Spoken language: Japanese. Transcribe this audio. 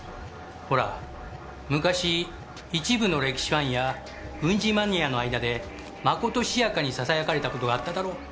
ほら昔一部の歴史ファンや軍事マニアの間でまことしやかにささやかれたことがあっただろ？